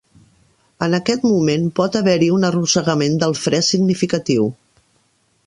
En aquest moment, pot haver-hi un arrossegament del fre significatiu.